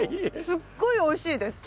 すっごいおいしいです。